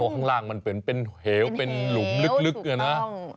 อ๋อข้างล่างมันเป็นเหวเป็นหลุมลึกอย่างนี้นะ